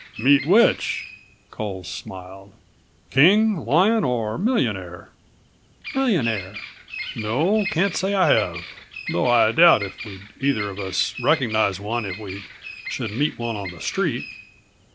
"Meet which?" Coles smiled. "King, lion or millionaire?" "Millionaire." "No, can't say that I have, though I doubt if we'd either of us recognize one if we should meet him on the street.